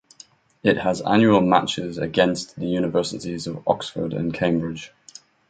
It has annual matches against the universities of Oxford and Cambridge.